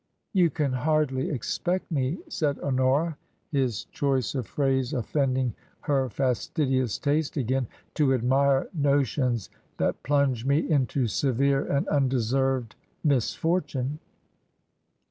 " You can hardly expect me," said Honora, his choice TRANSITION. 6i of phrase offending her fastidious taste again, '^ to admire notions that plunge me into severe and undeserved mis fortune."